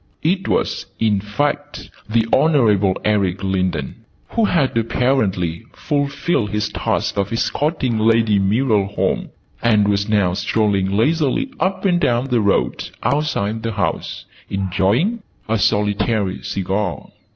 It was, in fact, the Honourable Eric Lindon, who had apparently fulfilled his task of escorting Lady Muriel home, and was now strolling leisurely up and down the road outside the house, enjoying; a solitary cigar.